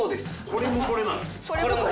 これもこれなの？